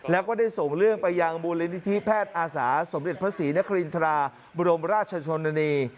แล้วก็ได้ส่งเรื่องไปยังมูลนิธิแพทย์อาสาสมเด็จพระศรีนครินทราบรมราชชนนานี